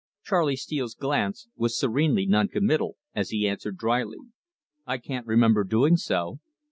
Charley Steele's glance was serenely non committal as he answered drily: "I cannot remember doing so."